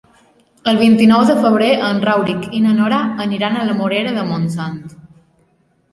El vint-i-nou de febrer en Rauric i na Nora aniran a la Morera de Montsant.